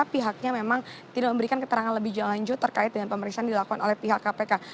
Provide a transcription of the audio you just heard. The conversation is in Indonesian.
pihaknya memang tidak memberikan keterangan lebih lanjut terkait dengan pemeriksaan dilakukan oleh pihak kpk